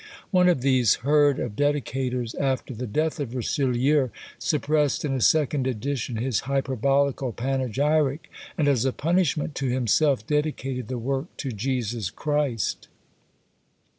One of these herd of dedicators, after the death of Richelieu, suppressed in a second edition his hyperbolical panegyric, and as a punishment to himself, dedicated the work to Jesus Christ!